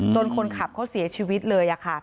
คนขับเขาเสียชีวิตเลย